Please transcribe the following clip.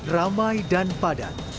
ramai dan padat